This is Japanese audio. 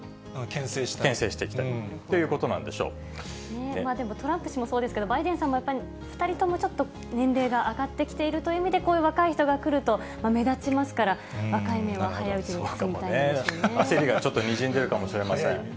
けん制したいということなんでもトランプ氏もそうですけど、バイデンさんもやっぱり２人ともちょっと年齢が上がってきているという意味で、こういう若い人が来ると、目立ちますから、若い芽は早いうちに摘みたいですよね。